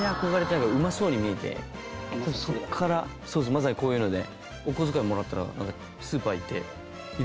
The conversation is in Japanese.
まさにこういうので。